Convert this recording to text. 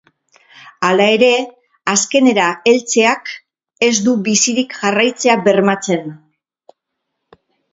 Hala ere, azkenera heltzeak ez du bizirik jarraitzea bermatzen.